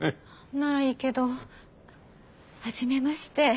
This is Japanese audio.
ならいいけど。初めまして。